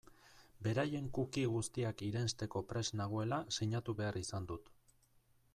Beraien cookie guztiak irensteko prest nagoela sinatu behar izan dut.